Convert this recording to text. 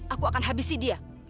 aku akan habisi dia